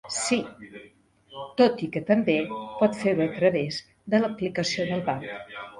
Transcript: Sí, tot i que també pot fer-ho a través de l'aplicació del banc.